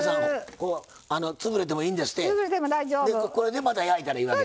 これでまた焼いたらいいわけ。